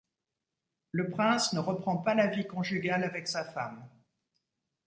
Le prince ne reprend pas la vie conjugale avec sa femme.